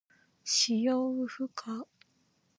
使用不可。